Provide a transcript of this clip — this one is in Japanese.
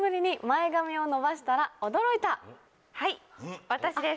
はい私です。